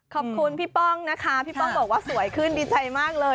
ขอบคุณพี่ป้องนะคะพี่ป้องบอกว่าสวยขึ้นดีใจมากเลย